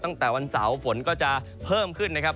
ตั้งแต่วันเสาร์ฝนก็จะเพิ่มขึ้นนะครับ